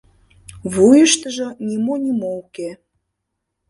Вуйыштыжо нимо-нимо уке.